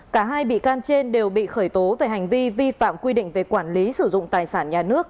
cả hai bị can trên đều bị khởi tố về hành vi vi phạm quy định về quản lý sử dụng tài sản nhà nước